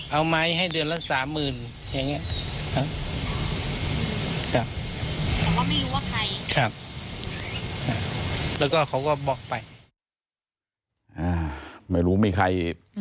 เอาไม้ให้เดือนละ๓๐๐๐๐อย่างงี้